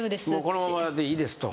「このままでいいです」と。